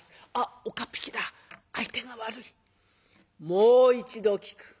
「もう一度聞く。